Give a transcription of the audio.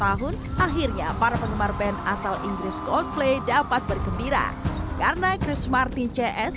dua puluh lima tahun akhirnya para penggemar band asal inggris god play dapat bergembira karena chris martin cs